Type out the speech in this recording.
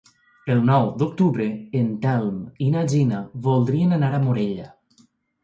El nou d'octubre en Telm i na Gina voldrien anar a Morella.